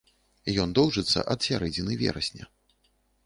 Ён доўжыцца ад сярэдзіны верасня.